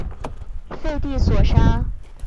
后被宋前废帝所杀。